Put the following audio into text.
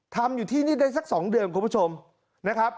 ทำอยู่ที่นี่ได้สัก๒เดือนคุณผู้ชมนะครับ